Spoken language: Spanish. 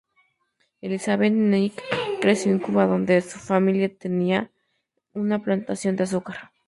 Elizabeth Knight creció en Cuba, donde su familia tenía una plantación de azúcar.